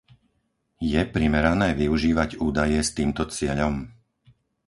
Je primerané využívať údaje s týmto cieľom?